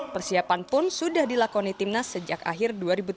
persiapan pun sudah dilakoni timnas sejak akhir dua ribu tujuh belas